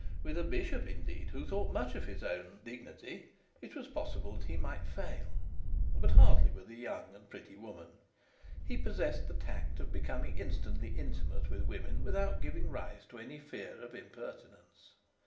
With a bishop indeed who thought much of his own dignity it was possible that he might fail, but hardly with a young lady and pretty woman. He possessed the tact of becoming instantly intimate with women without giving rise to any fear of impertinence.